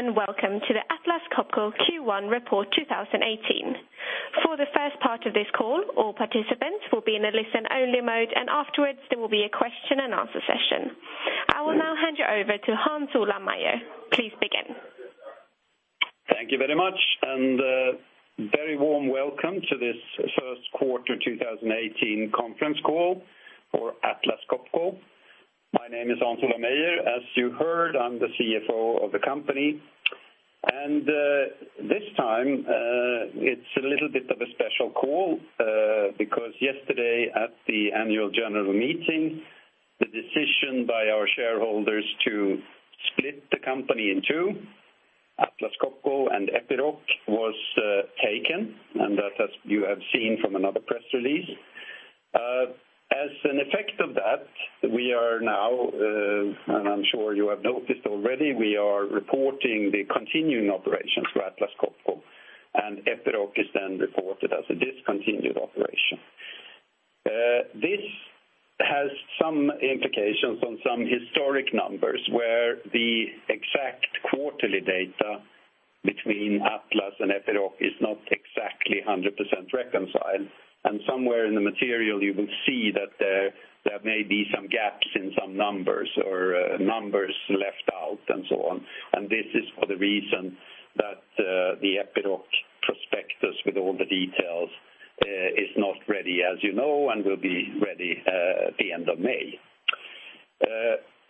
Welcome to the Atlas Copco Q1 Report 2018. For the first part of this call, all participants will be in a listen-only mode, and afterwards there will be a question and answer session. I will now hand you over to Hans Ola Meyer. Please begin. Thank you very much, and a very warm welcome to this first quarter 2018 conference call for Atlas Copco. My name is Hans Ola Meyer. As you heard, I'm the CFO of the company. This time, it's a little bit of a special call, because yesterday at the annual general meeting, the decision by our shareholders to split the company in two, Atlas Copco and Epiroc, was taken, and that as you have seen from another press release. As an effect of that, we are now, and I'm sure you have noticed already, we are reporting the continuing operations for Atlas Copco. Epiroc is then reported as a discontinued operation. This has some implications on some historic numbers where the exact quarterly data between Atlas and Epiroc is not exactly 100% reconciled. Somewhere in the material you will see that there may be some gaps in some numbers or numbers left out and so on. This is for the reason that the Epiroc prospectus with all the details is not ready, as you know, and will be ready at the end of May.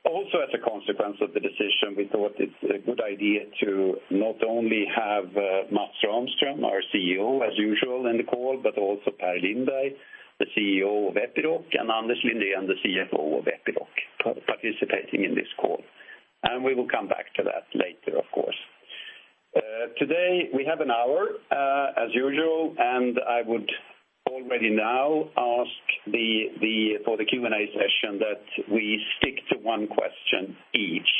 Also as a consequence of the decision, we thought it's a good idea to not only have Mats Rahmström, our CEO, as usual in the call, but also Per Lindberg, the CEO of Epiroc, and Anders Lindén, the CFO of Epiroc, participating in this call. We will come back to that later, of course. Today, we have an hour, as usual, and I would already now ask for the Q&A session that we stick to one question each,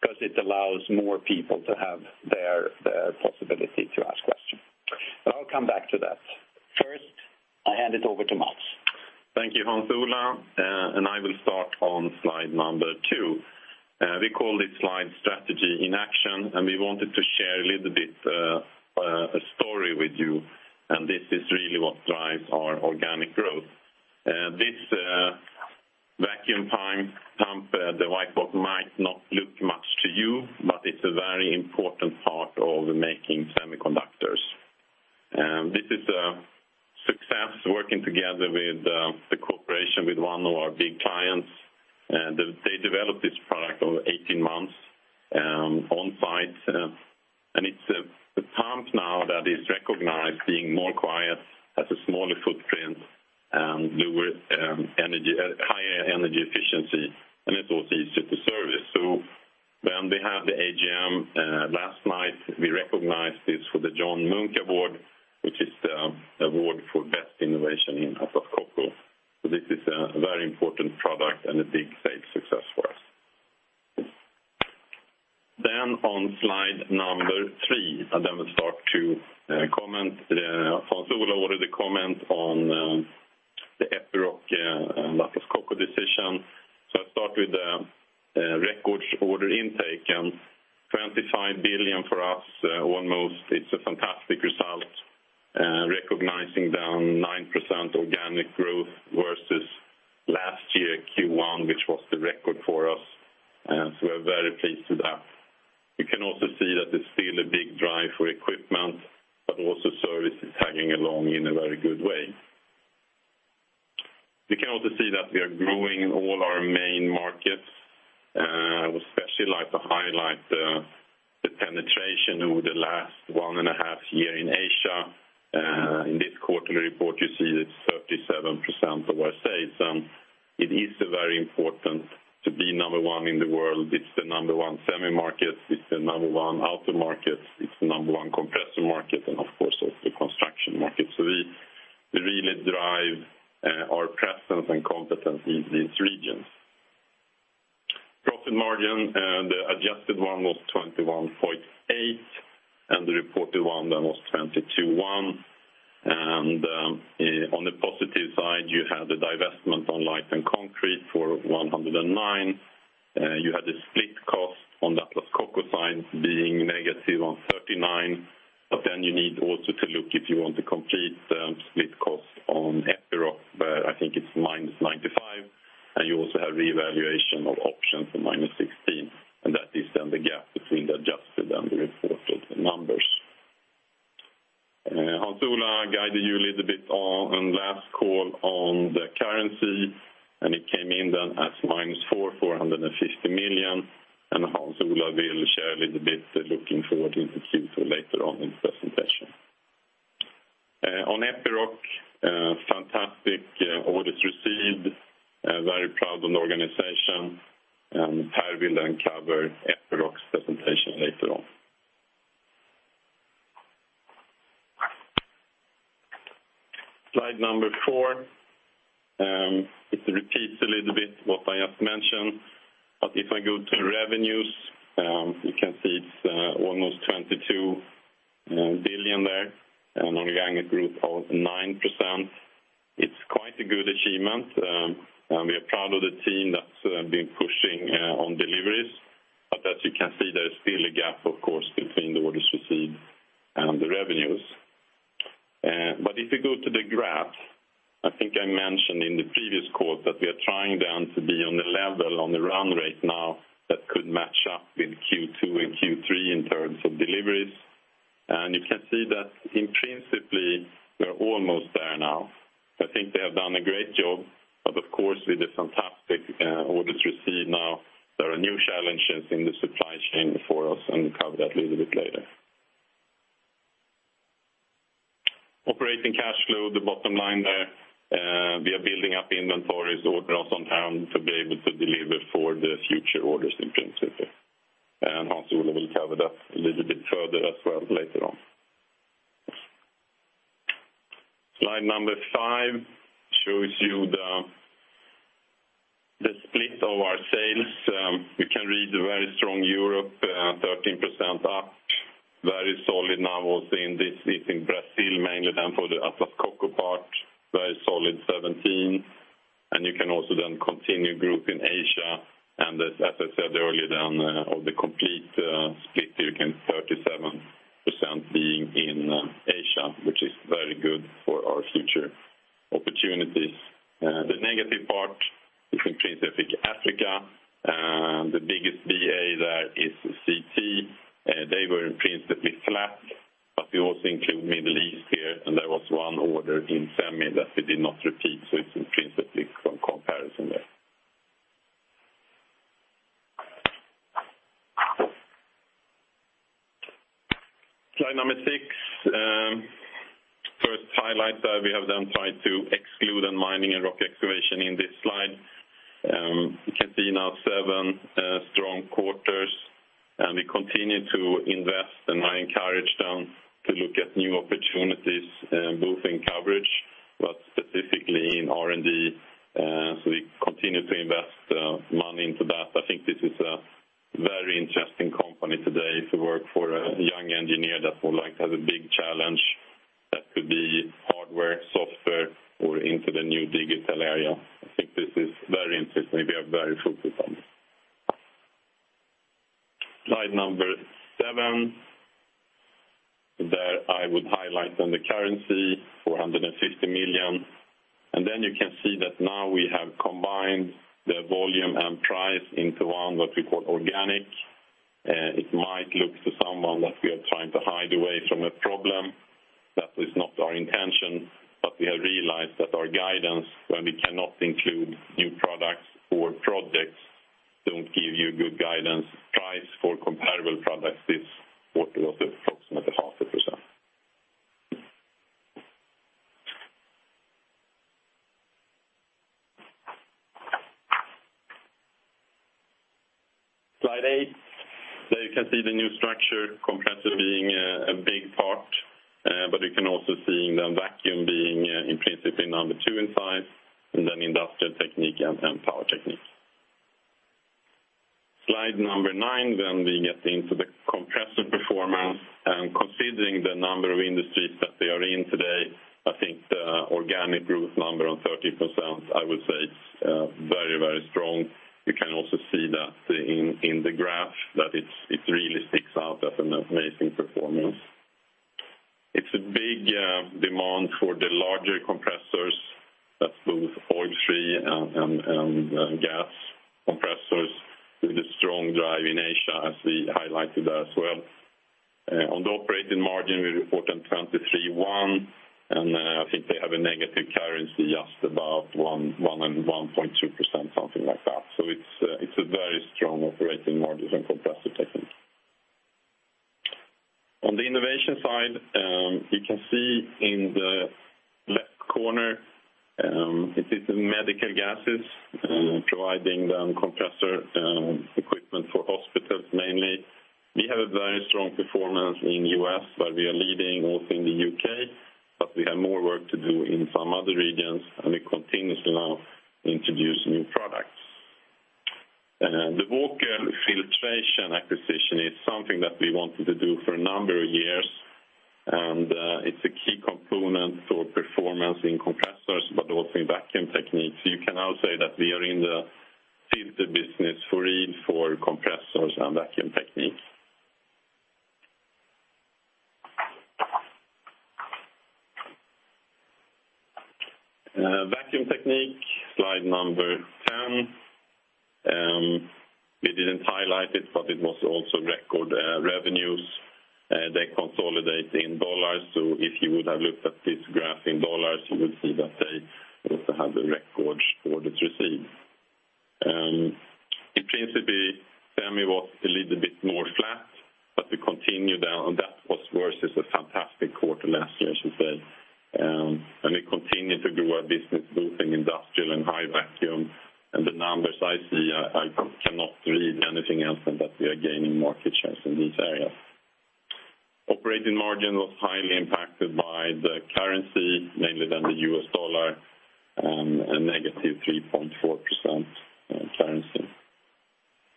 because it allows more people to have their possibility to ask questions. I'll come back to that. First, I hand it over to Mats. Thank you, Hans Ola. I will start on slide number two. We call this slide Strategy in Action. We wanted to share a little bit a story with you. This is really what drives our organic growth. This vacuum pump, the white box might not look much to you, but it's a very important part of making semiconductors. This is a success working together with the cooperation with one of our big clients. They developed this product over 18 months on-site. It's a pump now that is recognized being more quiet, has a smaller footprint, and higher energy efficiency. It's also easier to service. When we had the AGM last night, we recognized this with the John Munck Award, which is the award for best innovation in Atlas Copco. This is a very important product and a big, safe success for us. On slide number three, we'll start to comment. Hans Ola already comment on the Epiroc Atlas Copco decision. I'll start with the records order intake 25 billion for us. Almost, it's a fantastic result, recognizing down 9% organic growth versus last year Q1, which was the record for us. We're very pleased with that. You can also see that it's still a big drive for equipment, but also service is tagging along in a very good way. You can also see that we are growing all our main markets. I would especially like to highlight the penetration over the last one and a half year in Asia. In this quarterly report, you see it's 37% of our sales. It is very important to be number one in the world. It's the number one semi market, it's the number one auto market, it's the number one compressor market, and of course, also the construction market. We really drive our presence and competency in these regions. Profit margin, the adjusted one was 21.8%, and the reported one was 22.1%. On the positive side, you had the divestment on light and concrete for 109 million. You had the split cost on the Atlas Copco side being negative on 39 million. You need also to look if you want the complete split cost on Epiroc, where I think it's minus 95 million, and you also have reevaluation of options for minus 16 million. That is the gap between the adjusted and the reported numbers. Hans Ola guided you a little bit on last call on the currency. It came in as minus 4,450 million. Hans Ola will share a little bit looking forward into Q4 later on in the presentation. On Epiroc, fantastic orders received. Very proud of the organization. Per will cover Epiroc's presentation later on. Slide number four. It repeats a little bit what I just mentioned. If I go to revenues, you can see it's almost 22 billion there, and organic growth of 9%. It's quite a good achievement. We are proud of the team that's been pushing on deliveries. As you can see, there is still a gap, of course, between the orders received and the revenues. If you go to the graph, I think I mentioned in the previous call that we are trying to be on the level, on the run rate now that could match up with Q2 and Q3 in terms of deliveries. You can see that principally, we are almost there now. I think they have done a great job, but of course, with the fantastic orders received now, there are new challenges in the supply chain for us, and we'll cover that little bit later. Operating cash flow, the bottom line there. We are building up inventories, order on hand to be able to deliver for the future orders in principle. Hans Ola will cover that a little bit further as well later on. Slide five shows you the split of our sales. You can read very strong Europe, 13% up, very solid now also in this, in Brazil, mainly then for the Atlas Copco part, very solid 17%. You can also then continue growth in Asia. As I said earlier then, of the complete split here, 37% being in Asia, which is very good for our future opportunities. The negative part is principally Africa, the biggest BA there is CT. They were principally flat, but we also include Middle East here, and there was one order in semi that we did not repeat, so it's principally from comparison there. Slide six, first highlight that we have then tried to exclude mining and rock excavation in this slide. You can see now seven strong quarters. We continue to invest, and I encourage them to look at new opportunities, both in coverage, but specifically in R&D. We continue to invest money into that. I think this is a very interesting company today to work for a young engineer that would like to have a big challenge that could be hardware, software, or into the new digital area. I think this is very interesting. We have a very fruitful company. Slide seven, there I would highlight on the currency, 450 million. You can see that now we have combined the volume and price into one that we call organic. It might look to someone that we are trying to hide away from a problem. That is not our intention, but we have realized that our guidance, when we cannot include new products or projects, don't give you good guidance. Price for comparable products this quarter was approximately 0.5%. Slide eight, there you can see the new structure, Compressors being a big part, but you can also see then Vacuum being in principle number 2 in size, and then Industrial Technique and Power Technique. Slide nine, we get into the compressor performance. Considering the number of industries that we are in today, I think the organic growth number on 30%, I would say it's very strong. You can also see that in the graph, that it really sticks out as an amazing performance. It's a big demand for the larger compressors that move oil-free and gas compressors with a strong drive in Asia, as we highlighted as well. On the operating margin, we report on 23.1%, and I think they have a negative currency, just about 1% and 1.2%, something like that. It's a very strong operating margin for Compressor Technique. On the innovation side, you can see in the left corner, it is in medical gases, providing the compressor equipment for hospitals mainly. We have a very strong performance in U.S., but we are leading also in the U.K., but we have more work to do in some other regions, and we continuously now introduce new products. The Walker Filtration acquisition is something that we wanted to do for a number of years, and it's a key component for performance in Compressors, but also in Vacuum Technique. You can now say that we are in the filter business for real for Compressors and Vacuum Technique. Vacuum Technique, slide number 10. We didn't highlight it, but it was also record revenues. They consolidate in dollars, so if you would have looked at this graph in dollars, you would see that they also have the record orders received. Principally, semi was a little bit more flat, but we continue there on that, which was a fantastic quarter last year, I should say. We continue to grow our business both in industrial and high vacuum, and the numbers I see, I cannot read anything else than that we are gaining market shares in these areas. Operating margin was highly impacted.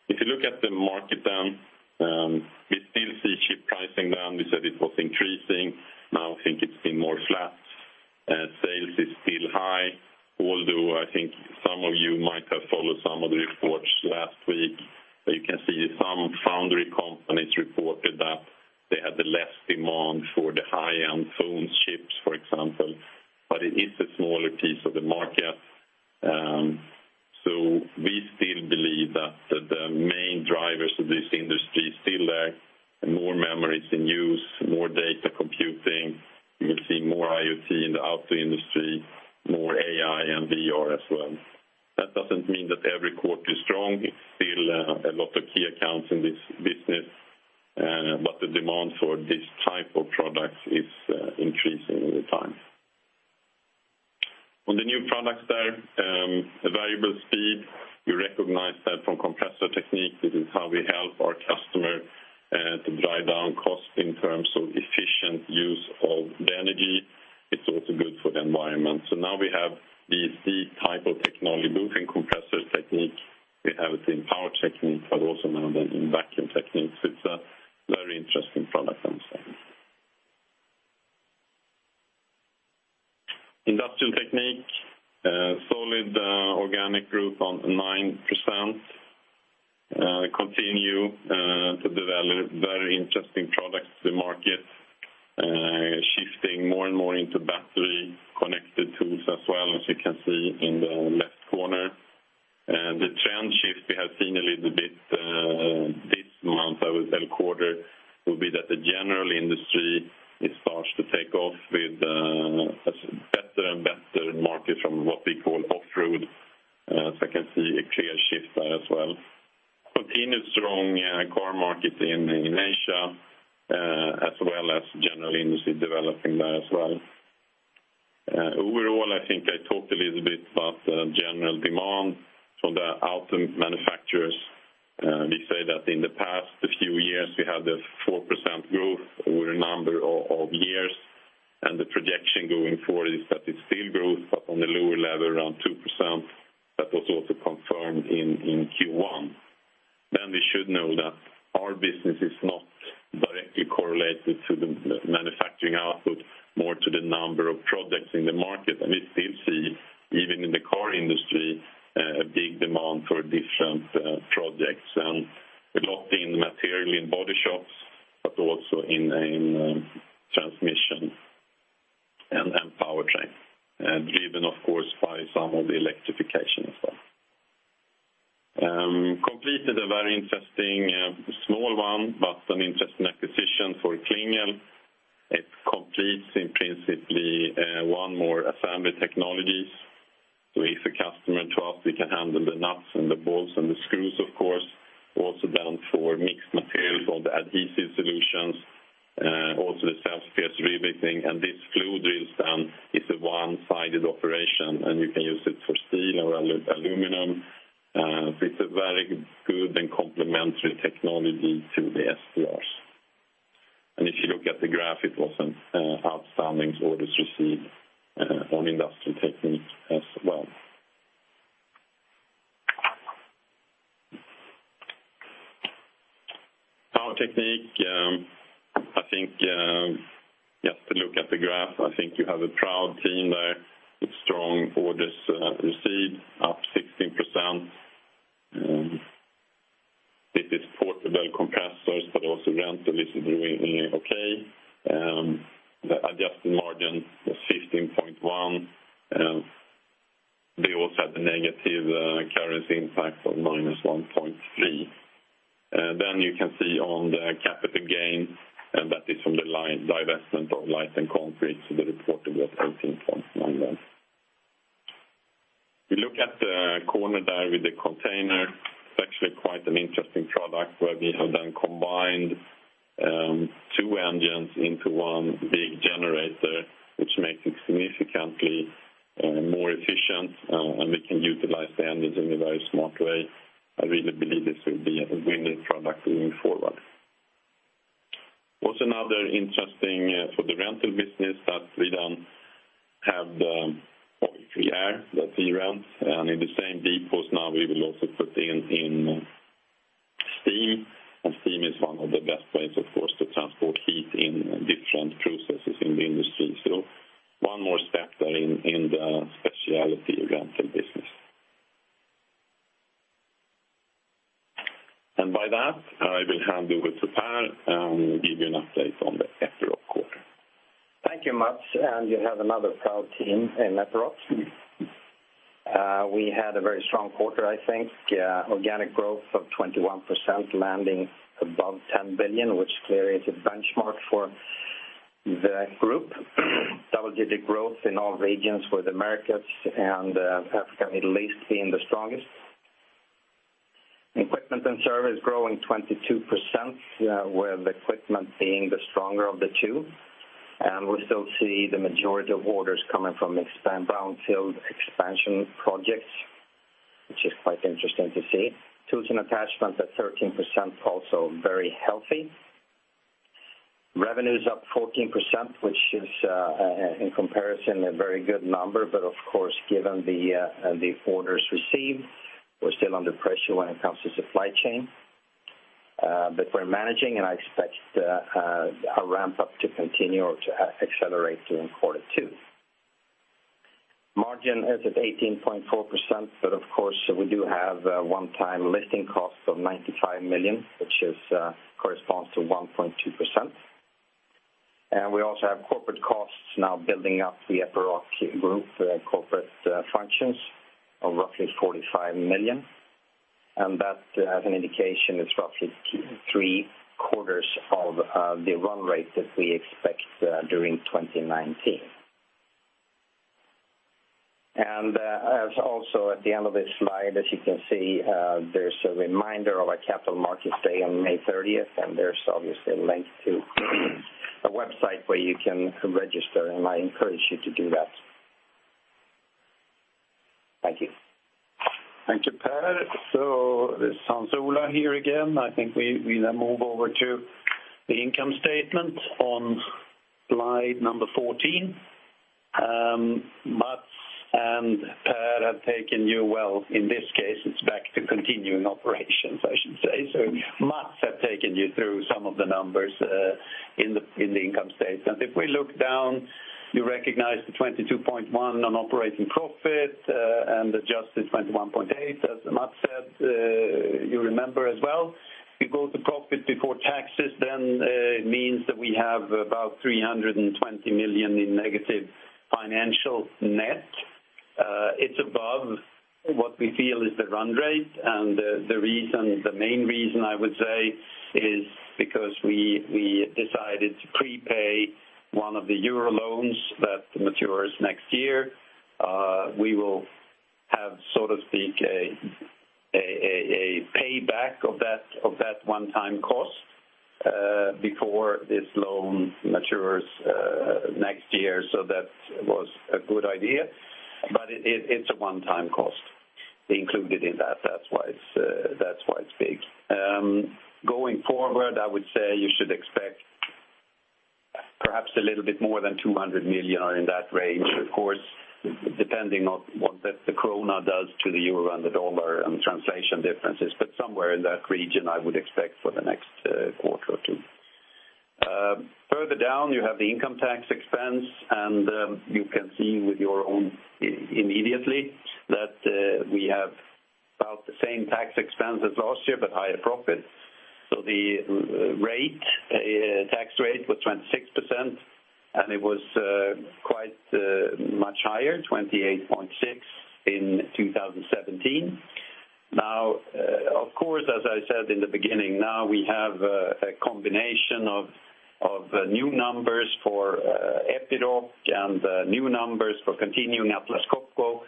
If you look at the market, we still see chip pricing down. We said it was increasing. Now I think it's been more flat. Sales is still high, although I think some of you might have followed some of the reports last week, where you can see some foundry companies reported that they had less demand for the high-end phone chips, for example, but it is a smaller piece of the market. We still believe that the main drivers of this industry is still there, more memories in use, more data computing. We will see more IoT in the auto industry, more AI and VR as well. That doesn't mean that every quarter is strong. It's still a lot of key accounts in this business, but the demand for this type of product is increasing over time. On the new products there, the variable speed, we recognize that from Compressor Technique, this is how we help our customer, to drive down cost in terms of efficient use of the energy. It's also good for the environment. Now we have this type of technology, both in Compressor Technique, we have it in Power Technique, but also now then in Vacuum Technique, it's a very interesting product on sale. Industrial Technique, solid organic growth on 9%, continue to develop very interesting products to the market, shifting more and more into battery-connected tools as well, as you can see in the left corner. The trend shift we have seen a little bit, this month, I would say quarter, will be that the general industry starts to take off with better and better market from what we call off-road, as I can see a clear shift there as well. Continue strong car market in Asia, as well as general industry developing there as well. Overall, I think I talked a little bit about the general demand from the auto manufacturers. We say that in the past few years, we had a 4% growth over a number of years, and the projection going forward is that it's still growth, but on a lower level, around 2%. That was also confirmed in Q1. We should know that our business is not directly correlated to the manufacturing output, more to the number of projects in the market. We still see, even in the car industry, a big demand for different projects, and a lot in material in body shops, but also in transmission and powertrain. Driven of course by some of the electrification as well. Completed a very interesting, small one, but an interesting acquisition for Klingel. It completes in principle, one more assembly technologies. If a customer trusts, we can handle the nuts and the bolts and the screws, of course, also then for mixed materials or the adhesive solutions, also the self-piercing riveting, and this flow drill then is a one-sided operation, and you can use it for steel or aluminum. It's a very good and complementary technology to the SRs. If you look at the graph, it was an outstanding orders received on Industrial Technique as well. Power Technique, just to look at the graph, I think you have a proud team there with strong orders received, up 16%. This is portable compressors, but also rental is doing okay. The adjusted margin was 15.1. They also had a negative currency impact of -1.3. You can see on the capital gain, that is from the divestment of concrete and compaction business, so they reported at 18.1 then. We look at the corner there with the container. It's actually quite an interesting product where we have then combined two engines into one big generator, which makes it significantly more efficient, and we can utilize the engines in a very smart way. I really believe this will be a winning product moving forward. What's another interesting for the rental business that we then have the, obviously air that we rent, and in the same depots now we will also put in steam, and steam is one of the best ways, of course, to transport heat in different processes in the industry. One more step there in the specialty rental business. By that, I will hand over to Per, who will give you an update on the Epiroc quarter. Thank you, Mats, and you have another proud team in Epiroc. We had a very strong quarter, I think, organic growth of 21% landing above 10 billion, which clearly is a benchmark for the group. Double-digit growth in all regions with Americas and Africa, Middle East being the strongest. Equipment and service growing 22%, with equipment being the stronger of the two. We still see the majority of orders coming from brownfield expansion projects, which is quite interesting to see. Tools and attachments at 13% also very healthy. Revenue is up 14%, which is, in comparison, a very good number. Of course, given the orders received, we're still under pressure when it comes to supply chain. We're managing, and I expect our ramp up to continue or to accelerate during quarter two. Margin is at 18.4%. Of course, we do have a one-time listing cost of 95 million, which corresponds to 1.2%. We also have corporate costs now building up the Epiroc Group corporate functions of roughly 45 million. That, as an indication, is roughly three-quarters of the run rate that we expect during 2019. As also at the end of this slide, as you can see, there is a reminder of our capital markets day on May 30th, and there is obviously a link to a website where you can register, and I encourage you to do that. Thank you. Thank you, Per. This is Ola here again. I think we now move over to the income statement on slide number 14. Mats and Per have taken you, well, in this case, it is back to continuing operations, I should say. Mats have taken you through some of the numbers in the income statement. If we look down, you recognize the 22.1% on operating profit and adjusted 21.8%, as Mats said, you remember as well. We go to profit before taxes. It means that we have about 320 million in negative financial net. It is above what we feel is the run rate. The main reason, I would say, is because we decided to prepay one of the EUR loans that matures next year. We will have, so to speak, a payback of that one-time cost before this loan matures next year. That was a good idea. It is a one-time cost included in that. That is why it is big. Going forward, I would say you should expect perhaps a little bit more than 200 million in that range, of course, depending on what the SEK does to the EUR and the USD and translation differences, somewhere in that region, I would expect for the next quarter or two. Further down, you have the income tax expense. You can see with your own immediately that we have about the same tax expense as last year, higher profit. The tax rate was 26%. It was quite much higher, 28.6% in 2017. Of course, as I said in the beginning, now we have a combination of new numbers for Epiroc and new numbers for continuing Atlas Copco.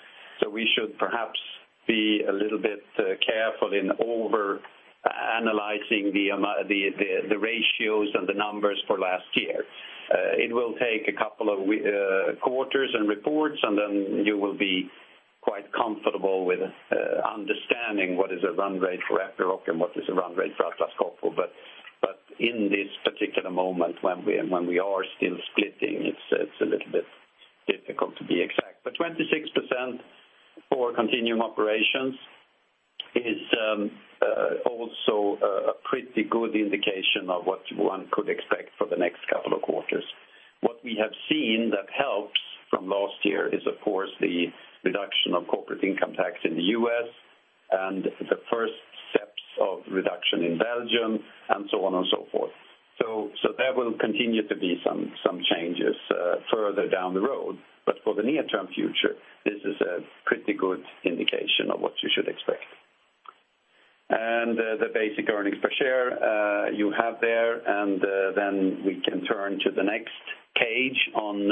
We should perhaps be a little bit careful in over-analyzing the ratios and the numbers for last year. It will take a couple of quarters and reports. Then you will be quite comfortable with understanding what is a run rate for Epiroc and what is a run rate for Atlas Copco. In this particular moment when we are still splitting, it is a little bit difficult to be exact. 26% for continuing operations is also a pretty good indication of what one could expect for the next couple of quarters. What we have seen that helps from last year is, of course, the reduction of corporate income tax in the U.S. and the first steps of reduction in Belgium, and so on and so forth. There will continue to be some changes further down the road, but for the near-term future, this is a pretty good indication of what you should expect. The basic earnings per share you have there, then we can turn to the next page on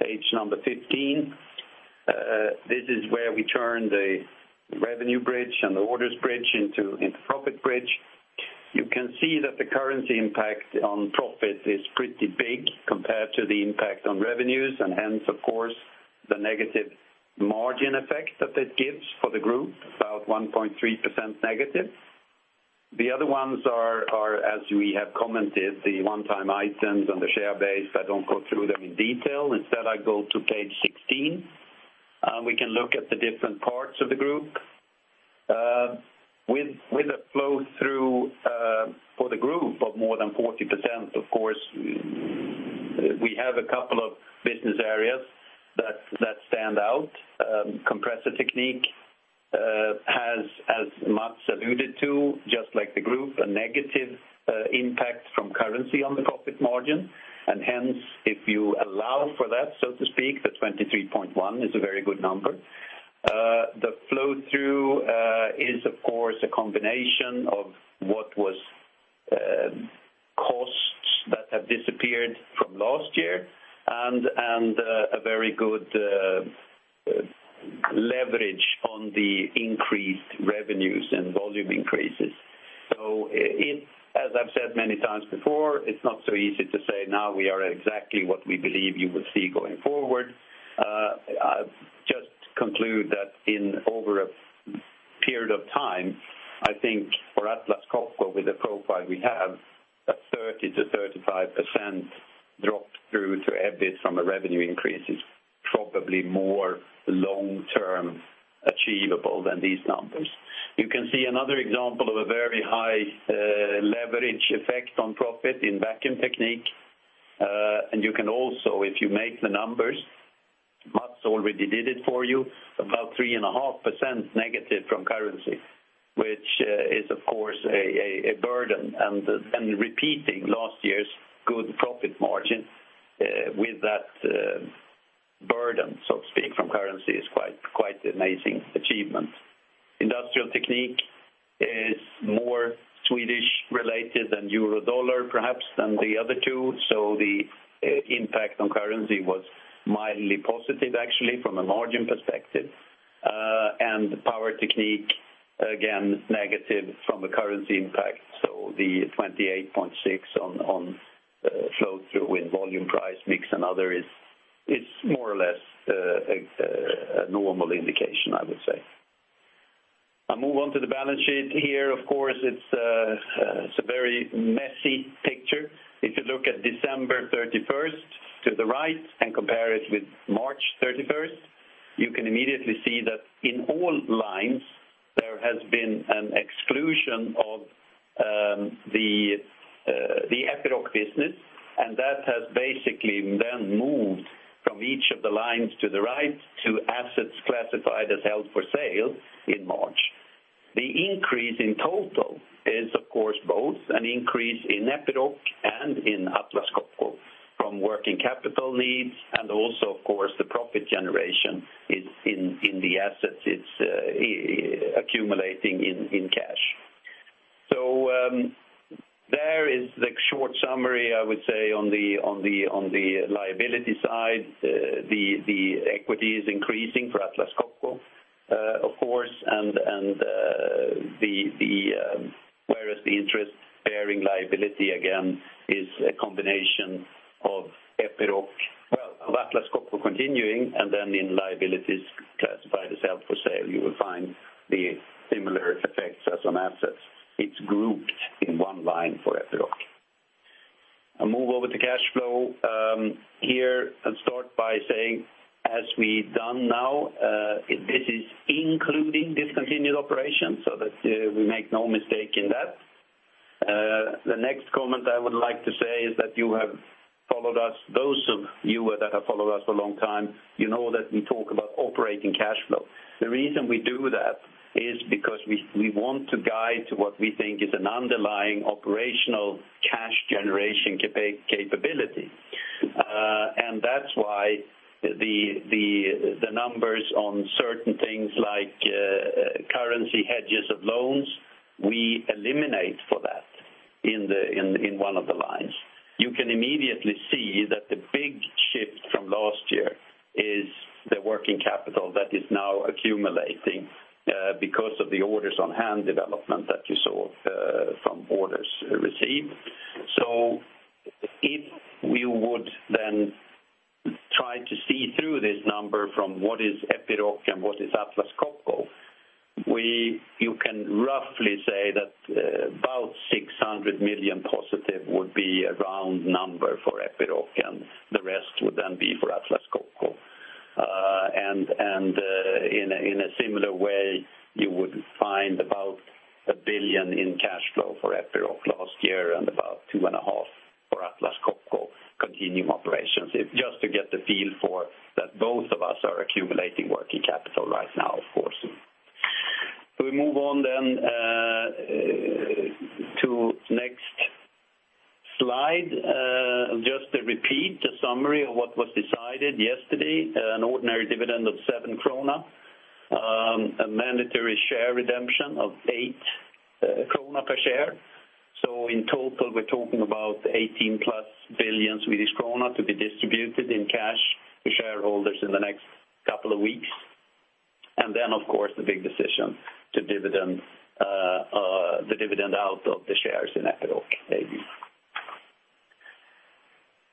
page 15. This is where we turn the revenue bridge and the orders bridge into profit bridge. You can see that the currency impact on profit is pretty big compared to the impact on revenues, and hence, of course, the negative margin effect that it gives for the group, about 1.3% negative. The other ones are, as we have commented, the one-time items on the share base. I don't go through them in detail. Instead, I go to page 16. We can look at the different parts of the group. With a flow-through for the group of more than 40%, of course, we have a couple of Business Areas that stand out. Compressor Technique has, as Mats alluded to, just like the group, a negative impact from currency on the profit margin, and hence, if you allow for that, so to speak, the 23.1 is a very good number. The flow-through is, of course, a combination of what was costs that have disappeared from last year and a very good leverage on the increased revenues and volume increases. As I've said many times before, it's not so easy to say now we are exactly what we believe you will see going forward. Just to conclude that over a period of time, I think for Atlas Copco, with the profile we have, that 30%-35% drop-through to EBIT from a revenue increase is probably more long-term achievable than these numbers. You can see another example of a very high leverage effect on profit in Vacuum Technique. You can also, if you make the numbers, Mats already did it for you, about 3.5% negative from currency, which is, of course, a burden. Then repeating last year's good profit margin with that burden, so to speak, from currency is quite amazing achievement. Industrial Technique is more Swedish related than euro dollar perhaps than the other two, so the impact on currency was mildly positive actually from a margin perspective. Power Technique, again, negative from a currency impact. The 28.6 on flow-through in volume price mix and other is more or less a normal indication, I would say. I move on to the balance sheet here. Of course, it's a very messy picture. If you look at December 31st to the right and compare it with March 31st, you can immediately see that in all lines, there has been an exclusion of the Epiroc business, and that has basically then moved from each of the lines to the right to assets classified as held for sale in March. The increase in total is, of course, both an increase in Epiroc and in Atlas Copco from working capital needs and also, of course, the profit generation in the assets it's accumulating in cash. There is the short summary, I would say, on the liability side. The equity is increasing for Atlas Copco, of course, whereas the interest-bearing liability, again, is a combination of Atlas Copco continuing, and then in liabilities classified as held for sale, you will find the similar effects as on assets. It's grouped in one line for Epiroc. I move over to cash flow here and start by saying, as we've done now, this is including discontinued operations so that we make no mistake in that. The next comment I would like to say is that you have followed us, those of you that have followed us a long time, you know that we talk about operating cash flow. The reason we do that is because we want to guide to what we think is an underlying operational cash generation capability. That's why the numbers on certain things like currency hedges of loans, we eliminate for that in one of the lines. You can immediately see that the big shift from last year is the working capital that is now accumulating because of the orders on hand development that you saw from orders received. If we would then try to see through this number from what is Epiroc and what is Atlas Copco, you can roughly say that about 600 million positive would be a round number for Epiroc, the rest would then be for Atlas Copco. In a similar way, you would find about 1 billion in cash flow for Epiroc last year and about 2.5 billion for Atlas Copco continuing operations. Just to get the feel for that both of us are accumulating working capital right now, of course. We move on to next slide. Just a repeat, a summary of what was decided yesterday, an ordinary dividend of 7 krona, a mandatory share redemption of 8 krona per share. In total, we're talking about 18+ billion Swedish krona to be distributed in cash to shareholders in the next couple of weeks. Of course, the big decision to dividend the dividend out of the shares in Epiroc AB.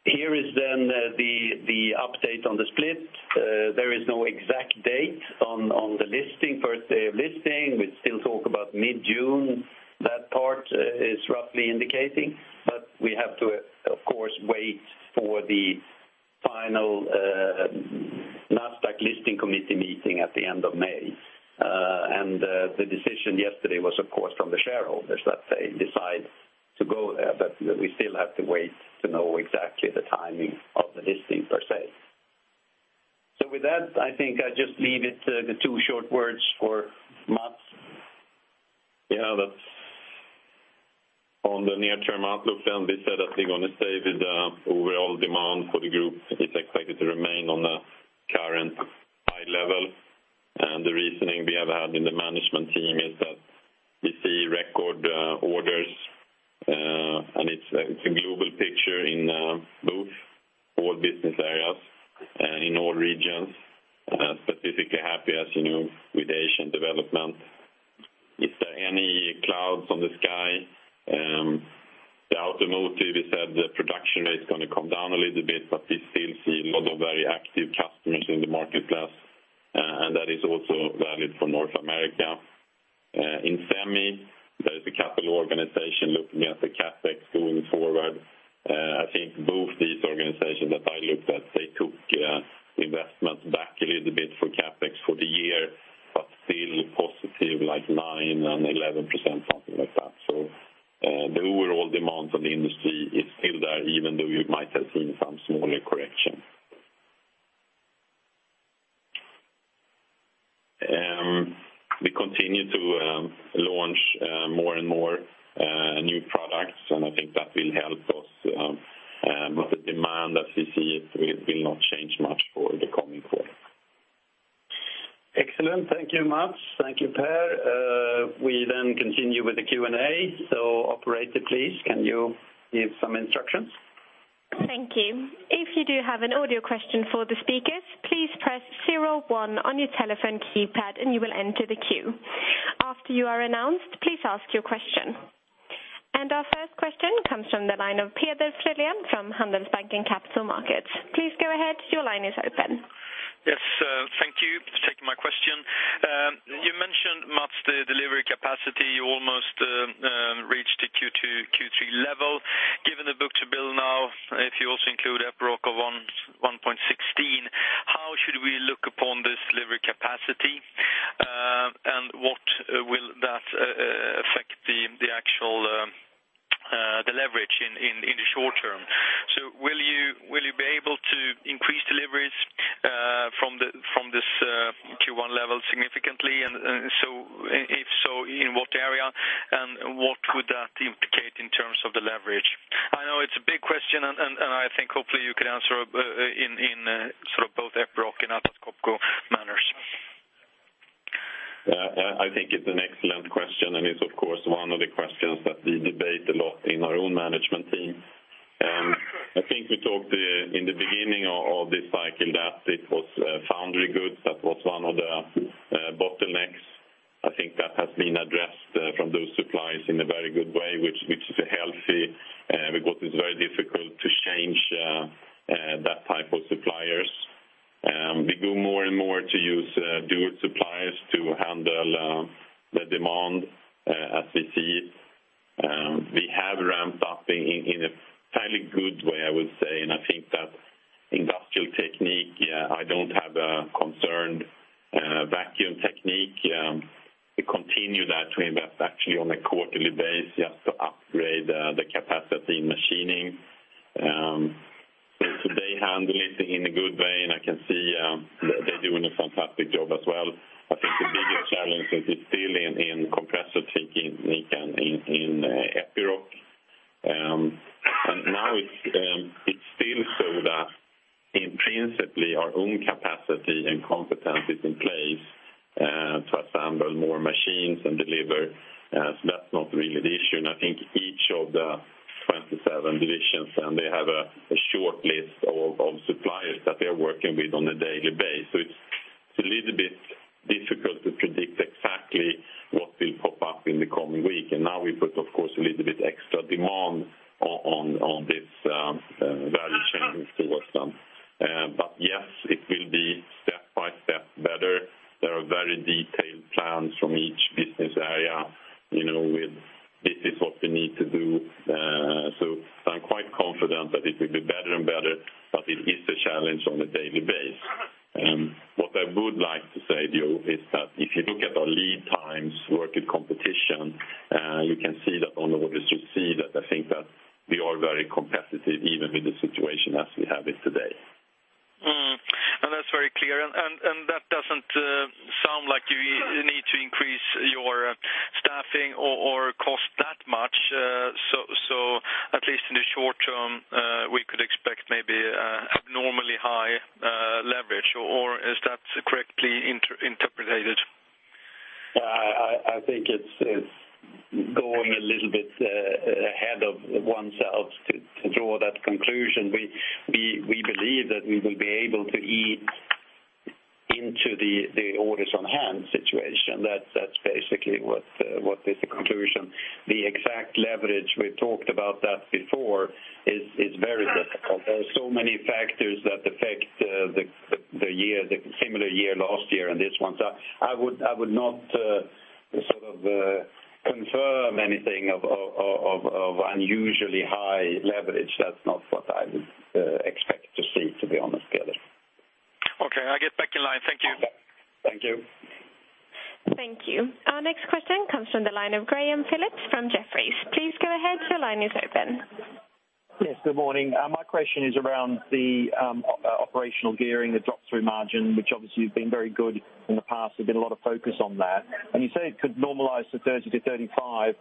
Here is the update on the split. There is no exact date on the first day of listing. We still talk about mid-June. That part is roughly indicating, but we have to, of course, wait for the final NASDAQ listing committee meeting at the end of May. The decision yesterday was, of course, from the shareholders that they decide to go there, we still have to wait to know exactly the timing of the listing per se. With that, I think I just leave it to the two short words for Mats. We said that we're going to stay with the overall demand for the group is expected to remain on the current high level. The reasoning we have had in the management team is that we see record orders, and it's a global picture in both all Business Areas and in all regions. Rate's going to come down a little bit, but we still see a lot of very active customers in the marketplace, and that is also valid for North America. In semi, there is a capital organization looking at the CapEx going forward. I think both these organizations that I looked at, they took investment back a little bit for CapEx for the year, but still positive like 9% and 11%, something like that. The overall demand on the industry is still there, even though you might have seen some smaller correction. We continue to launch more and more new products, and I think that will help us. The demand, as we see it, will not change much for the coming quarter. Excellent. Thank you, Mats. Thank you, Per. We continue with the Q&A. Operator, please, can you give some instructions? Thank you. If you do have an audio question for the speakers, please press 01 on your telephone keypad and you will enter the queue. After you are announced, please ask your question. Our first question comes from the line of Peder Frölén from Handelsbanken Capital Markets. Please go ahead. Your line is open. Yes, thank you for taking my question. You mentioned, Mats, the delivery capacity. You almost reached the Q2, Q3 level. Given the book-to-bill now, if you also include Epiroc of 1.16, how should we look upon this delivery capacity? What will that affect the leverage in the short term? Will you be able to increase deliveries from this Q1 level significantly? If so, in what area, and what would that implicate in terms of the leverage? I know it's a big question, and I think hopefully you can answer in both Epiroc and Atlas Copco manners. I think it's an excellent question, it's of course, one of the questions that we debate a lot in our own management team. I think we talked in the beginning of this cycle that it was foundry goods that was one of the bottlenecks. I think that has been addressed from those suppliers in a very good way, which is healthy, I think it's going a little bit ahead of oneself to draw that conclusion. We believe that we will be able to eat into the orders on hand situation. That's basically what is the conclusion. The exact leverage we've talked about before is very difficult. There are so many factors that affect the similar year last year and this one. I would not confirm anything of unusually high leverage. That's not what I would expect to see, to be honest, Peder. Okay. I get back in line. Thank you. Okay. Thank you. Thank you. Our next question comes from the line of Graham Phillips from Jefferies. Please go ahead. Your line is open. Yes, good morning. My question is around the operational gearing, the drop-through margin, which obviously has been very good in the past. There has been a lot of focus on that. You say it could normalize to 30%-35%.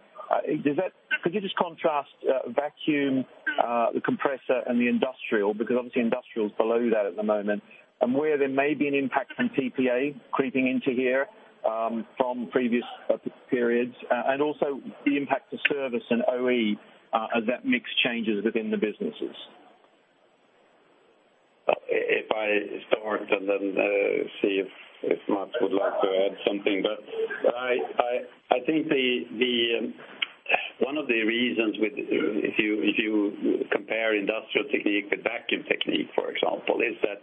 Could you just contrast Vacuum, the Compressor, and the Industrial? Because obviously Industrial is below that at the moment. Where there may be an impact from PPA creeping into here from previous periods, and also the impact to service and OE as that mix changes within the businesses I start, and then see if Mats would like to add something. I think one of the reasons, if you compare Industrial Technique with Vacuum Technique, for example, is that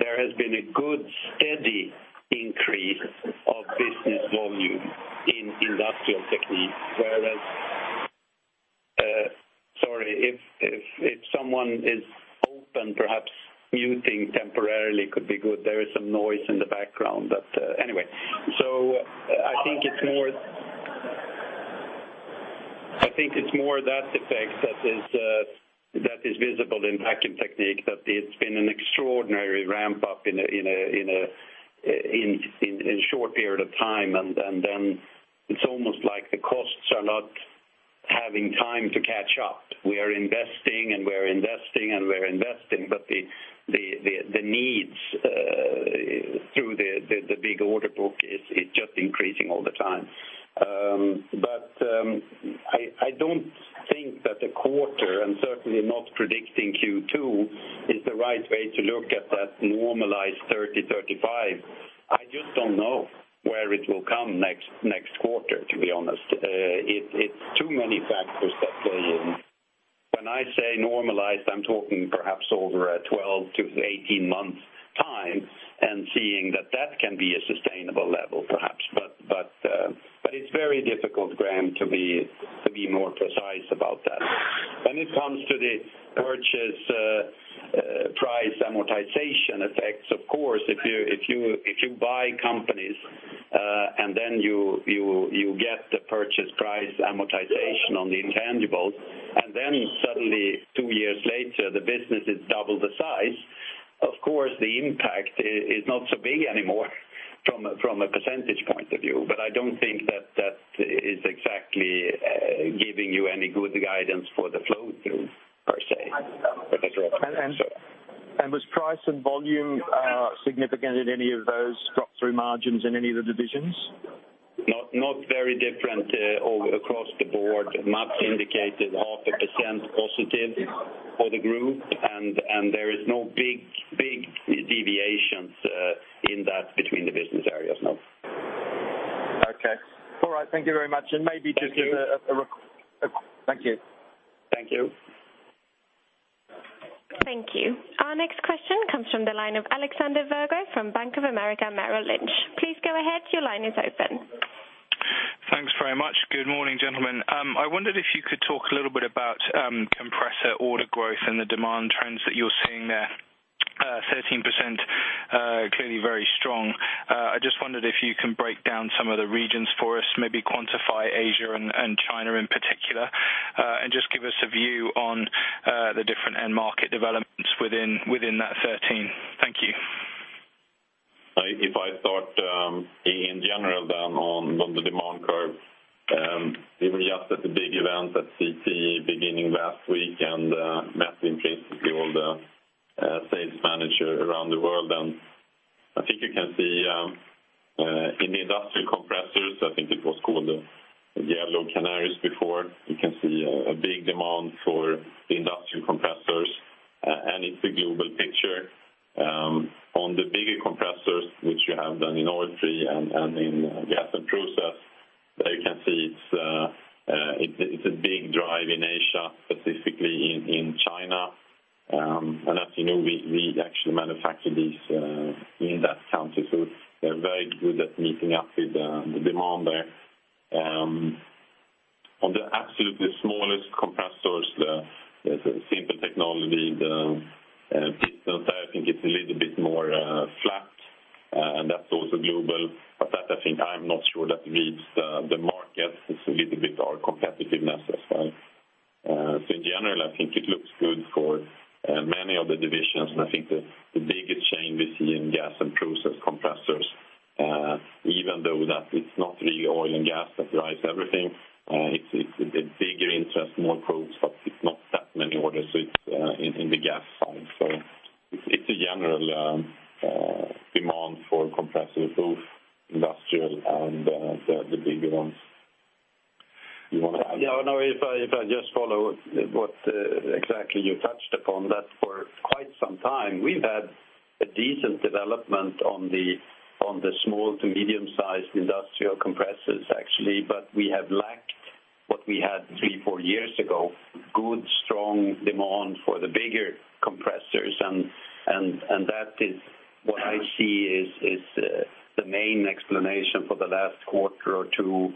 there has been a good, steady increase of business volume in Industrial Technique. Sorry, if someone is open, perhaps muting temporarily could be good. There is some noise in the background. Anyway. I think it is more that effect that is visible in Vacuum Technique, that it has been an extraordinary ramp-up in a short period of time, and then it is almost like the costs are not having time to catch up. We are investing, and we are investing, and we are investing. I do not think that the quarter, and certainly not predicting Q2, is the right way to look at that normalized 30%/35%. I just do not know where it will come next quarter, to be honest. It is too many factors that play in. When I say normalized, I am talking perhaps over a 12-18 months time, and seeing that that can be a sustainable level, perhaps. It is very difficult, Graham, to be more precise about that. When it comes to the purchase price amortization effects, of course, if you buy companies, and then you get the purchase price amortization on the intangibles, and then suddenly two years later, the business is double the size, of course, the impact is not so big anymore from a percentage point of view. I do not think that that is exactly giving you any good guidance for the flow-through, per se, for the drop. Was price and volume significant in any of those drop-through margins in any of the divisions? Not very different across the board. Mats indicated half a percent positive for the group, and there is no big deviations in that between the Business Areas, no. Okay. All right. Thank you very much, and maybe just as a Thank you. Thank you. Thank you. Thank you. Our next question comes from the line of Alexander Virgo from Bank of America Merrill Lynch. Please go ahead, your line is open. Thanks very much. Good morning, gentlemen. I wondered if you could talk a little bit about compressor order growth and the demand trends that you're seeing there. 13%, clearly very strong. I just wondered if you can break down some of the regions for us, maybe quantify Asia and China in particular, and just give us a view on the different end market developments within that 13%. Thank you. If I start in general then on the demand curve, we were just at a big event at CT beginning last week. [Mathew Chase Beholder] sales manager around the world. I think you can see in the industrial compressors, I think it was called the Yellow Plant before. You can see a big demand for the industrial compressors. It's a global picture. On the bigger compressors, which you have then in oil-free and in Gas and Process, there you can see it's a big drive in Asia, specifically in China. As you know, we actually manufacture these in that country, so they're very good at meeting up with the demand there. On the absolutely smallest compressors, the simple technology, the pistons, I think it's a little bit more flat, and that's also global. That, I think, I'm not sure that reads the market. It's a little bit our competitiveness as well. In general, I think it looks good for many of the divisions. I think the biggest change we see in Gas and Process compressors, even though that it's not really oil and gas that drives everything, it's a bigger interest, more probes. It's not that many orders. It's in the gas side. It's a general demand for compressors, both industrial and the bigger ones. You want to add? Yeah, no. If I just follow what exactly you touched upon, that for quite some time, we've had a decent development on the small to medium-sized industrial compressors, actually. We have lacked what we had three, four years ago, good, strong demand for the bigger compressors, and that is what I see is the main explanation for the last quarter or two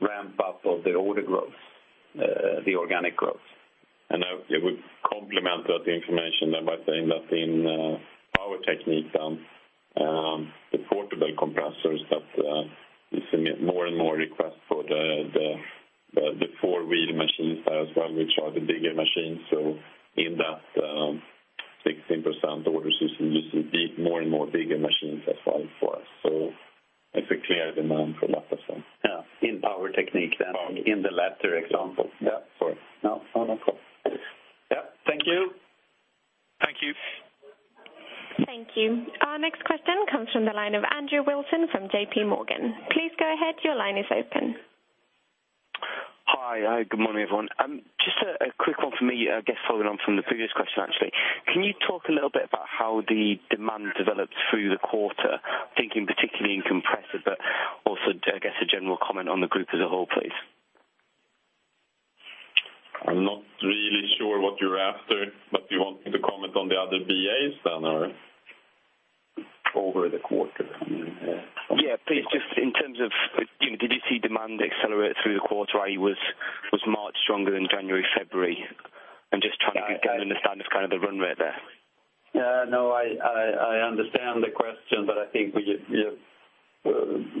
ramp-up of the order growth, the organic growth. I would complement that information by saying that in Power Technique, the portable compressors, that we see more and more requests for the four-wheel machines there as well, which are the bigger machines. In that 16% orders, you see more and more bigger machines as well for us. It's a clear demand for that as well. Yeah. In Power Technique then, in the latter example. Yeah, of course. Yeah. Thank you. Thank you. Thank you. Our next question comes from the line of Andrew Wilson from JPMorgan. Please go ahead, your line is open. Hi. Good morning, everyone. Just a quick one from me, I guess following on from the previous question, actually. Can you talk a little bit about how the demand developed through the quarter? Thinking particularly in compressors, but also, I guess a general comment on the group as a whole, please. I'm not really sure what you're after, you want me to comment on the other BAs then or? Over the quarter. Yeah, please, just in terms of did you see demand accelerate through the quarter? It was much stronger in January, February, just trying to get an understanding of the run rate there. No, I understand the question, I think we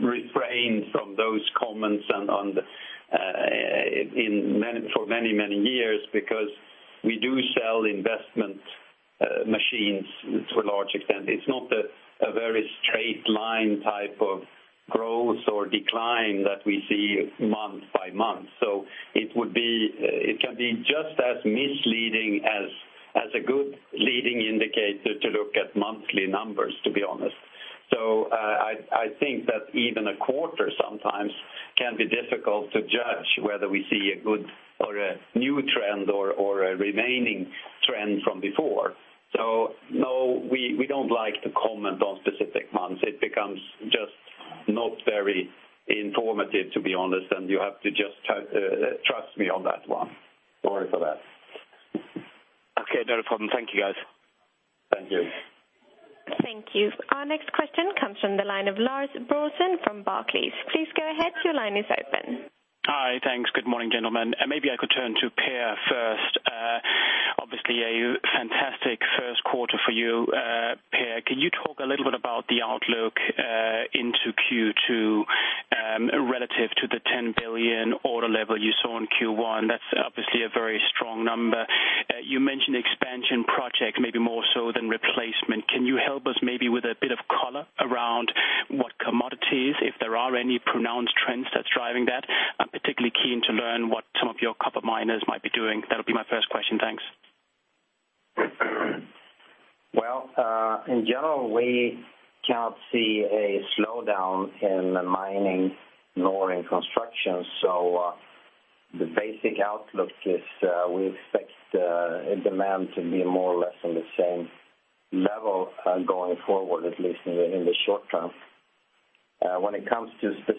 refrain from those comments for many years, because we do sell investment machines to a large extent. It's not a very straight line type of growth or decline that we see month by month. It can be just as misleading as a good leading indicator to look at monthly numbers, to be honest. I think that even a quarter sometimes can be difficult to judge whether we see a good or a new trend or a remaining trend from before. No, we don't like to comment on specific months. It becomes just not very informative, to be honest, you have to just trust me on that one. Sorry for that. Okay, not a problem. Thank you, guys. Thank you. Thank you. Our next question comes from the line of Lars Brorsson from Barclays. Please go ahead. Your line is open. Hi. Thanks. Good morning, gentlemen. Maybe I could turn to Per first. Obviously, a fantastic first quarter for you, Per. Can you talk a little bit about the outlook into Q2 relative to the 10 billion order level you saw in Q1? That's obviously a very strong number. You mentioned expansion project, maybe more so than replacement. Can you help us maybe with a bit of color around what commodities, if there are any pronounced trends that's driving that? I'm particularly keen to learn what some of your copper miners might be doing. That'll be my first question. Thanks. In general, we cannot see a slowdown in mining nor in construction. The basic outlook is, we expect demand to be more or less on the same level going forward, at least in the short term. When it comes to the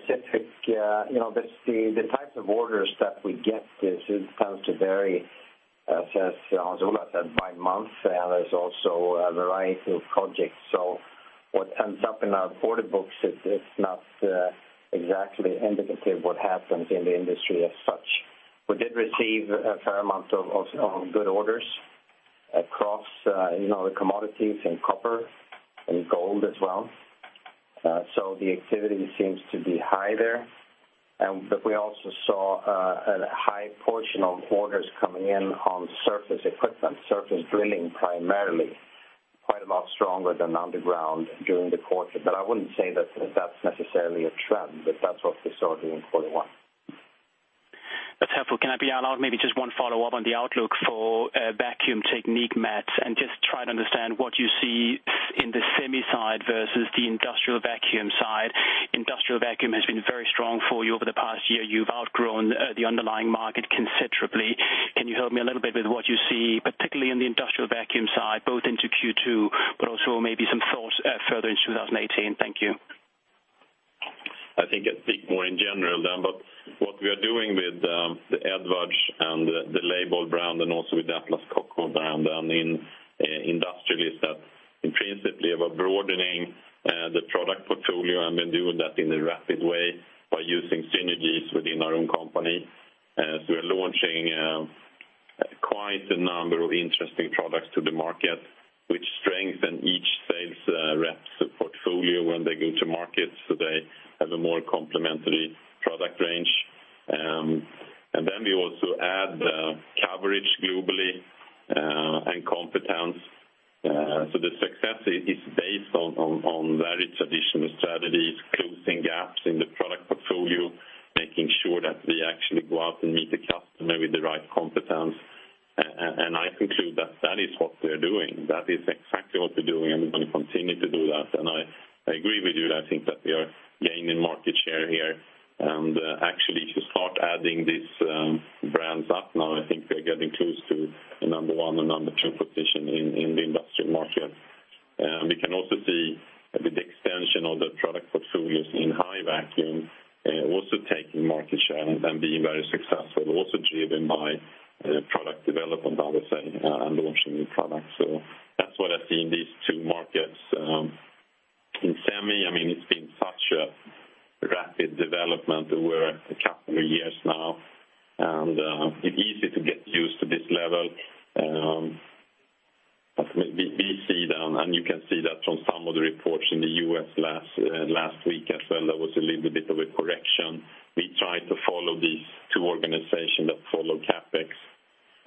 types of orders that we get, it tends to vary, as Ola said, by month, and there is also a variety of projects. What ends up in our order books is not exactly indicative of what happens in the industry as such. We did receive a fair amount of good orders across the commodities in copper and gold as well. The activity seems to be high there. We also saw a high portion of orders coming in on surface equipment, surface drilling, primarily. Quite a lot stronger than underground during the quarter. I wouldn't say that that's necessarily a trend, but that's what we saw during Q1. That's helpful. Can I be allowed maybe just one follow-up on the outlook for Vacuum Technique, Mats, and just try to understand what you see in the semi side versus the industrial vacuum side. Industrial vacuum has been very strong for you over the past year. You've outgrown the underlying market considerably. Can you help me a little bit with what you see, particularly on the industrial vacuum side, both into Q2, but also maybe some thoughts further into 2018? Thank you. I think I speak more in general then, what we are doing with the Edwards and the Leybold brand and also with the Atlas Copco brand and in industrial is that intrinsically, we're broadening the product portfolio, and we're doing that in a rapid way by using synergies within our own company. As we're launching quite a number of interesting products to the market, which strengthen each sales rep's portfolio when they go to market, they have a more complementary product range. We also add coverage globally, and competence. The success is based on very traditional strategies, closing gaps in the product portfolio, making sure that we actually go out and meet the customer with the right competence, and I conclude that that is what we're doing. That is exactly what we're doing, and we're going to continue to do that. I agree with you, I think that we are gaining market share here, and actually to start adding these brands up now, I think we're getting close to number 1 or number 2 position in the industrial market. We can also see with the extension of the product portfolios in high vacuum, also taking market share and being very successful, also driven by product development, I would say, and launching new products. That's what I see in these two markets. In semi, it's been such a rapid development. We're a couple of years now, and it's easy to get used to this level. We see that, and you can see that from some of the reports in the U.S. last week as well, there was a little bit of a correction. We try to follow these two organizations that follow CapEx.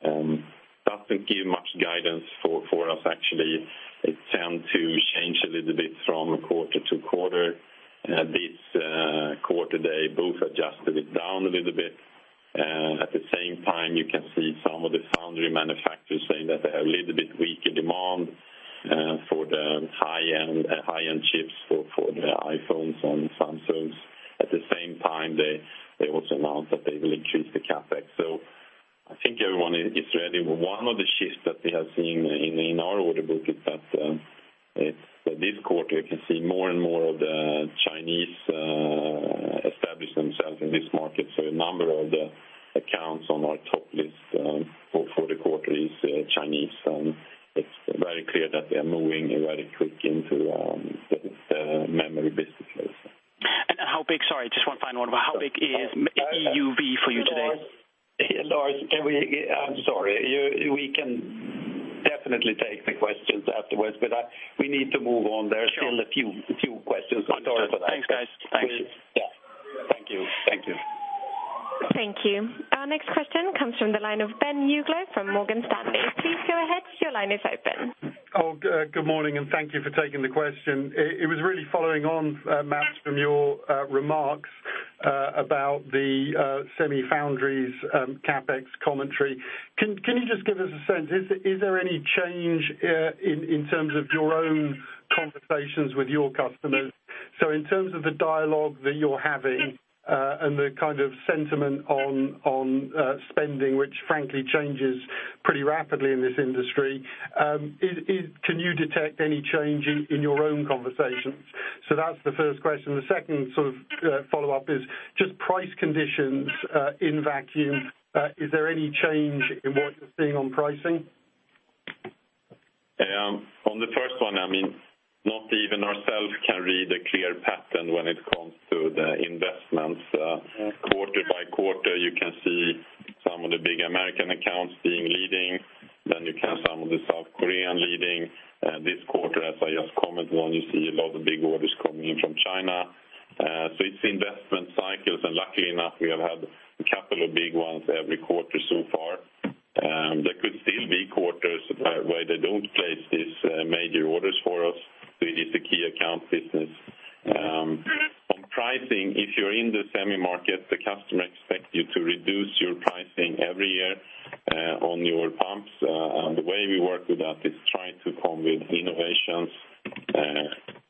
It doesn't give much guidance for us, actually. It tends to change a little bit from quarter to quarter. This quarter, they both adjusted it down a little bit. At the same time, you can see some of the foundry manufacturers saying that they have a little bit weak High-end chips for the iPhones and Samsungs. At the same time, they also announced that they will increase the CapEx. I think everyone is ready. One of the shifts that we have seen in our order book is that this quarter can see more and more of the Chinese establish themselves in this market. A number of the accounts on our top list for the quarter is Chinese, and it's very clear that they are moving very quick into the memory business. How big, sorry, just one final one. How big is EUV for you today? Klas, I'm sorry. We can definitely take the questions afterwards, we need to move on. Sure. There are still a few questions. I'm sorry for that. Thanks, guys. Thank you. Yeah. Thank you. Thank you. Our next question comes from the line of Ben Uglow from Morgan Stanley. Please go ahead. Your line is open. Good morning, thank you for taking the question. It was really following on, Mats, from your remarks about the semi-foundry's CapEx commentary. Can you just give us a sense, is there any change in terms of your own conversations with your customers? In terms of the dialogue that you're having and the kind of sentiment on spending, which frankly changes pretty rapidly in this industry, can you detect any change in your own conversations? That's the first question. The second sort of follow-up is just price conditions in vacuum. Is there any change in what you're seeing on pricing? On the first one, not even ourselves can read a clear pattern when it comes to the investments. Quarter by quarter, you can see some of the big American accounts being leading. You can have some of the South Korean leading. This quarter, as I just commented on, you see a lot of big orders coming in from China. It's investment cycles, and luckily enough, we have had a couple of big ones every quarter so far. There could still be quarters where they don't place these major orders for us. It is a key account business. On pricing, if you're in the semi market, the customer expects you to reduce your pricing every year on your pumps. The way we work with that is trying to come with innovations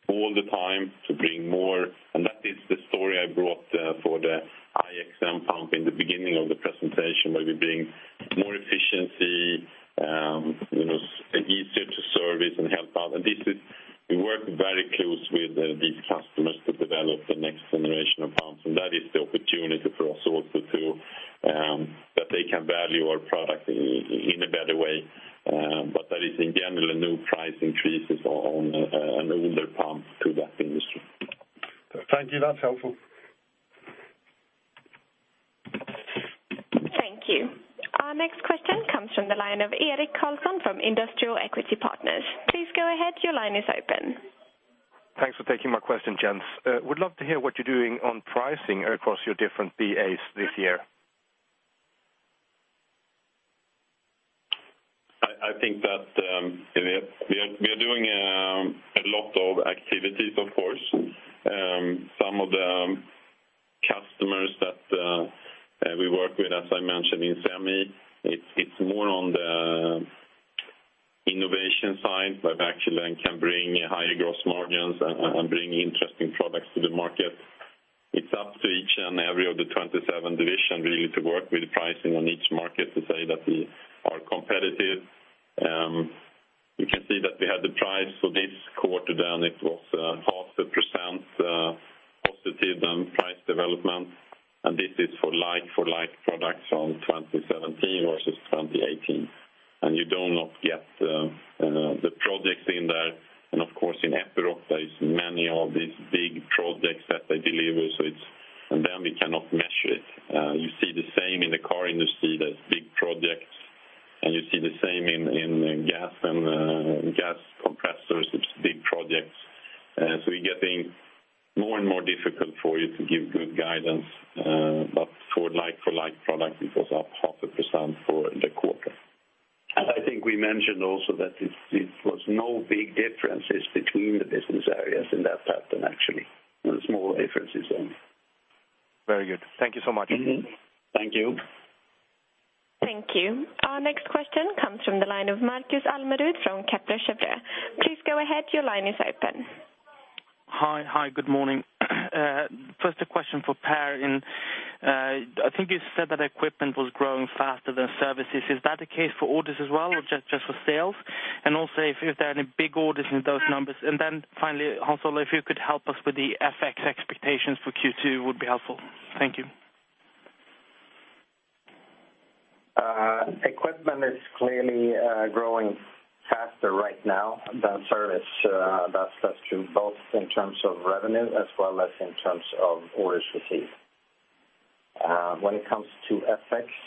all the time to bring more, and that is the story I brought for the iXM pump in the beginning of the presentation, where we bring more efficiency, easier to service and help out. We work very closely with these customers to develop the next generation of pumps, and that is the opportunity for us also, that they can value our product in a better way. There is, in general, no price increases on an older pump to that industry. Thank you. That's helpful. Thank you. Our next question comes from the line of Erik Karlsson from Industrial Equity Partners. Please go ahead. Your line is open. Thanks for taking my question, gents. Would love to hear what you're doing on pricing across your different BAs this year. I think that we are doing a lot of activities, of course. Some of the customers that we work with, as I mentioned in semi, it's more on the innovation side, but actually can bring higher gross margins and bring interesting products to the market. It's up to each and every of the 27 divisions really to work with the pricing on each market to say that we are competitive. You can see that we had the price for this quarter down, it was half a percent positive on price development, and this is for like products from 2017 versus 2018. You do not get the projects in there, of course, in Epiroc, there is many of these big projects that they deliver, and then we cannot measure it. You see the same in the car industry, those big projects, and you see the same in gas compressors. It's big projects. It's getting more and more difficult for you to give good guidance. For like products, it was up half a percent for the quarter. I think we mentioned also that it was no big differences between the Business Areas in that pattern, actually. There were small differences only. Very good. Thank you so much. Thank you. Thank you. Our next question comes from the line of Marcus Almerud from Kepler Cheuvreux. Please go ahead. Your line is open. Hi. Good morning. First, a question for Per. I think you said that equipment was growing faster than services. Is that the case for orders as well, or just for sales? If there are any big orders in those numbers? Hans Ola, if you could help us with the FX expectations for Q2, would be helpful. Thank you. Equipment is clearly growing faster right now than service. That's true both in terms of revenue as well as in terms of orders received. When it comes to FX-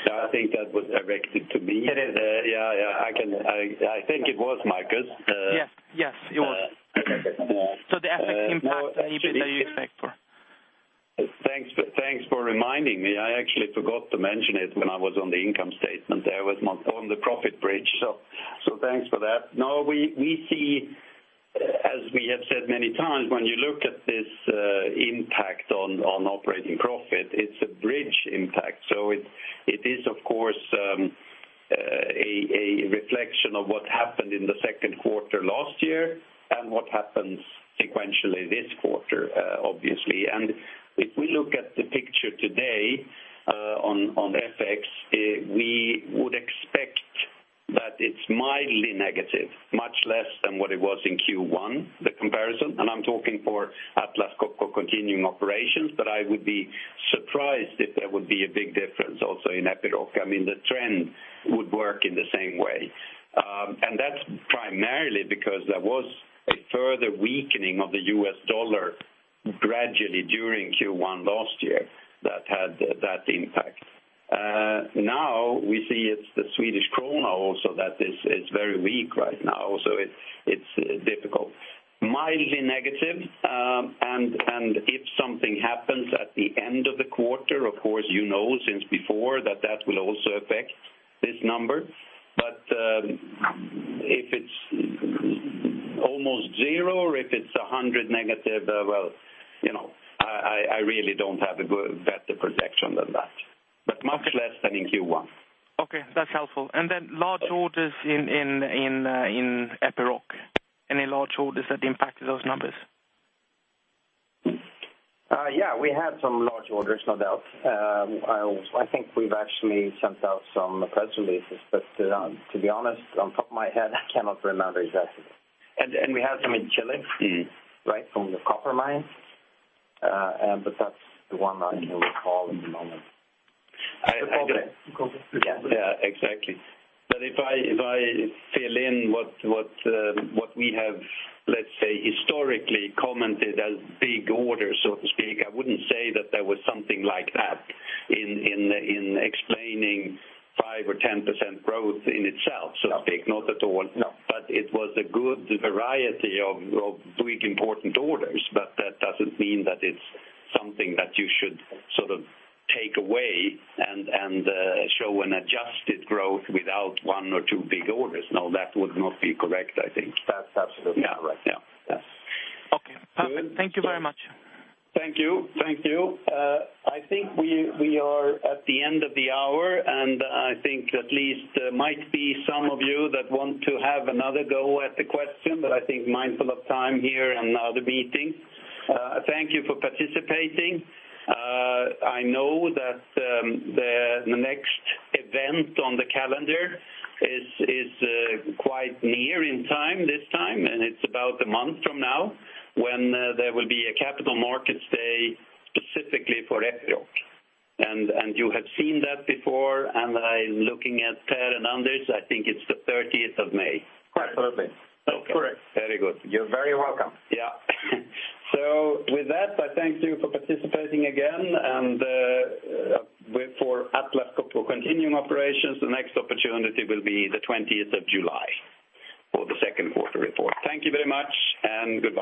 I think that was directed to me. It is. Yeah. I think it was Marcus. Yes. It was. The FX impact that you expect for. Thanks for reminding me. I actually forgot to mention it when I was on the income statement there, on the profit bridge. Thanks for that. No, we see, as we have said many times, when you look at this impact on operating profit, it's a bridge impact. It is, of course A reflection of what happened in the second quarter last year and what happens sequentially this quarter, obviously. If we look at the picture today on FX, we would expect that it's mildly negative, much less than what it was in Q1, the comparison, and I'm talking for Atlas Copco continuing operations, but I would be surprised if there would be a big difference also in Epiroc. The trend would work in the same way. That's primarily because there was a further weakening of the U.S. dollar gradually during Q1 last year that had that impact. Now we see it's the Swedish krona also that is very weak right now. It's difficult. Mildly negative, and if something happens at the end of the quarter, of course, you know since before that that will also affect this number. If it's almost zero or if it's 100 negative, well, I really don't have a good better projection than that. Much less than in Q1. Okay. That's helpful. Then large orders in Epiroc. Any large orders that impacted those numbers? Yeah, we had some large orders, no doubt. I think we've actually sent out some press releases, but to be honest, on top of my head, I cannot remember exactly. We have some in Chile from the copper mines. That's the one I can recall at the moment. Yeah, exactly. If I fill in what we have, let's say, historically commented as big orders, so to speak, I wouldn't say that there was something like that in explaining 5% or 10% growth in itself, so to speak. Not at all. No. It was a good variety of big important orders, but that doesn't mean that it's something that you should sort of take away and show an adjusted growth without one or two big orders. No, that would not be correct, I think. That's absolutely correct. Yeah. Okay, perfect. Thank you very much. Thank you. I think we are at the end of the hour, and I think at least there might be some of you that want to have another go at the question, but I think mindful of time here and other meetings. Thank you for participating. I know that the next event on the calendar is quite near in time this time, and it's about a month from now when there will be a capital markets day specifically for Epiroc. You have seen that before, and I'm looking at Per and Anders, I think it's the 30th of May. Absolutely. Okay. Correct. Very good. You're very welcome. With that, I thank you for participating again and for Atlas Copco continuing operations, the next opportunity will be the 20th of July for the second quarter report. Thank you very much and goodbye.